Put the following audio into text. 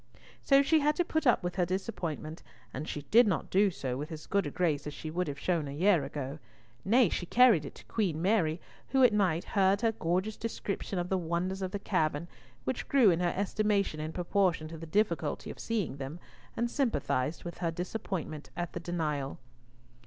So she had to put up with her disappointment, and she did not do so with as good a grace as she would have shown a year ago. Nay, she carried it to Queen Mary, who at night heard her gorgeous description of the wonders of the cavern, which grew in her estimation in proportion to the difficulty of seeing them, and sympathised with her disappointment at the denial.